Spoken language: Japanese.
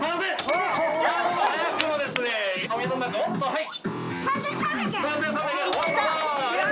はい。